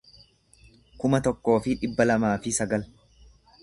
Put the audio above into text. kuma tokkoo fi dhibba lamaa fi sagal